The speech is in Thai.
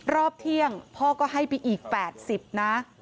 รอบเที่ยงพ่อก็ให้ไปอีก๘๐นะ